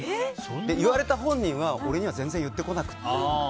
言われた本人は俺には全然言ってこなくて。